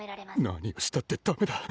何をしたってダメだ。